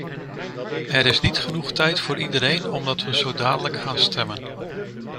Er is niet genoeg tijd voor iedereen, omdat we zo dadelijk gaan stemmen.